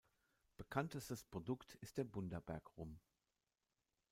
Bekanntes Produkt ist der "Bundaberg Rum".